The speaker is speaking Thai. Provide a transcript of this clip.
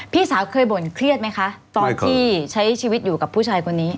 พี่สาวเคยบ่นเครียดไหมคะตอนที่ใช้ชีวิตอยู่กับผู้ชายคนนี้